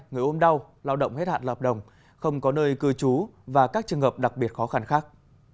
người ốm đau lao động hết hạn hợp đồng không có nơi cư trú và các trường hợp đặc biệt khó khăn khác